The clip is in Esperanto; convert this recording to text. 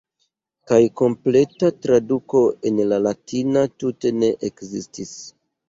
Kaj kompleta traduko en la Latina tute ne ekzistis.